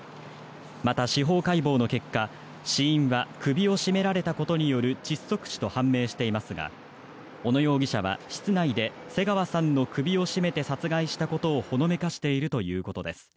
また司法解剖の結果死因は首を絞められたことによる窒息死と判明していますが小野容疑者は室内で瀬川さんの首を絞めて殺害したことをほのめかしているということです。